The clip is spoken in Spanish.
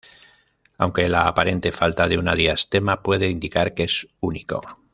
Aunque, la aparente falta de un diastema puede indicar que es único.